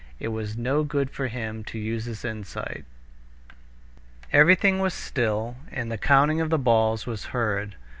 It was no good for him to use his insight. Everything was still, and the counting of the balls was heard.